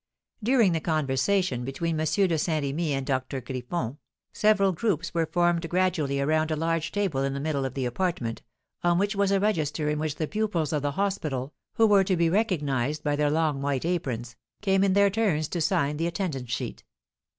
During the conversation between M. de Saint Remy and Doctor Griffon, several groups were formed gradually around a large table in the middle of the apartment, on which was a register in which the pupils of the hospital (who were to be recognised by their long white aprons) came in their turns to sign the attendance sheet.